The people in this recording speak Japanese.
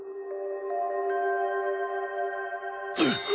うっ！